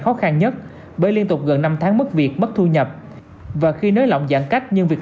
khó khăn nhất bởi liên tục gần năm tháng mất việc mất thu nhập và khi nới lỏng giãn cách nhưng việc